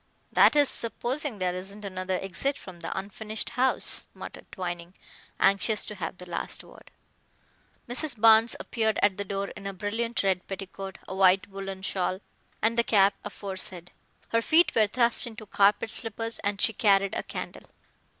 "That is supposing there isn't another exit from the unfinished house," muttered Twining, anxious to have the last word. Mrs. Barnes appeared at the door in a brilliant red petticoat, a white woollen shawl, and the cap aforesaid. Her feet were thrust into carpet slippers and she carried a candle.